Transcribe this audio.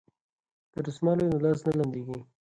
که دستمال وي نو لاس نه لمدیږي.